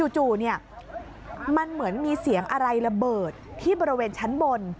จู่มันเหมือนมีเสียงอะไรระเบิดที่บริเวณชั้นบน